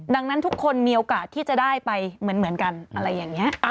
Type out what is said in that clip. ดังนั้นทุกคนมีโอกาสที่จะได้ไปเหมือนกันอะไรอย่างนี้